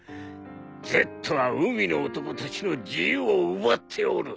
Ｚは海の男たちの自由を奪っておる。